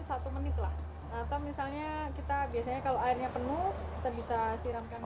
atau kalau airnya penuh kita bisa siramkan